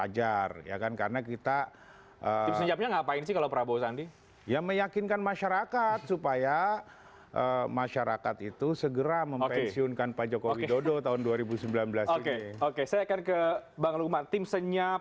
saya ingin ke mas arief